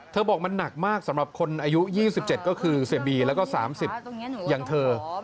บอกมันหนักมากสำหรับคนอายุ๒๗ก็คือเสียบีแล้วก็๓๐อย่างเธอ